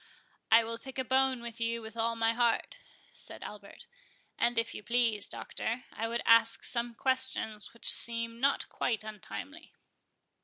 "I will pick a bone with you with all my heart," said Albert; "and if you please, Doctor, I would ask some questions which seem not quite untimely."